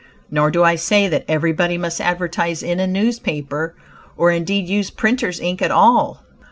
Nor do I say that everybody must advertise in a newspaper, or indeed use "printers' ink" at all.